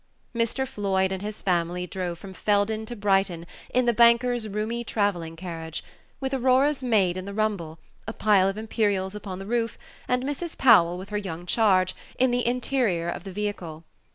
Page 23 Mr. Floyd and his family drove from Felden to Brighton in the banker's roomy travelling carriage, with Aurora's maid in the rumble, a pile of imperials upon the roof, and Mrs. Powell, with her young charges, in the interior of the vehicle.